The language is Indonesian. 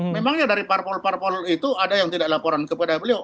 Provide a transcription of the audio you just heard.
memangnya dari parpol parpol itu ada yang tidak laporan kepada beliau